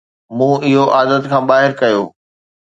مون اهو عادت کان ٻاهر ڪيو